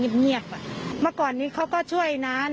แล้วก็เอาปืนยิงจนตายเนี่ยมันก็อาจจะเป็นไปได้จริง